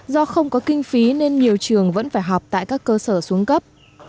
do không có kinh phí nên nhiều trường vẫn phải học tại các cơ sở xuống cấp